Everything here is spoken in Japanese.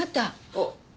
あっ！